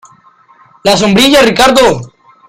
la sombrilla, Ricardo.